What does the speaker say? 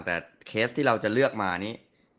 แต่เคสที่เราจะเลือกมานี้